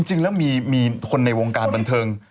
จริงแล้วมีคนในวงการบันเทิง